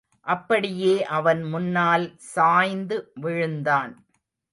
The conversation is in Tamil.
அப்படியே அவன் முன்னால் சாய்ந்து விழுந்தான்.